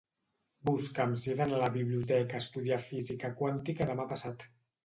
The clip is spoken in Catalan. Busca'm si he d'anar a la biblioteca a estudiar física quàntica demà passat.